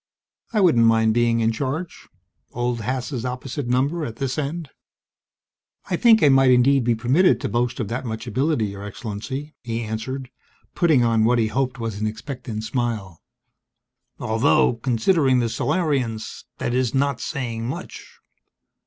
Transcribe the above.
I wouldn't mind being in charge old Haas' opposite number at this end._ "I think I might indeed be permitted to boast of that much ability, Your Excellency," he answered, putting on what he hoped was an expectant smile. "Although, considering the Solarians, that is not saying much."